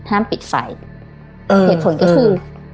ปิดไฟเหตุผลก็คือ